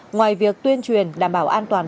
ngoài việc tuyên truyền đảm bảo an toàn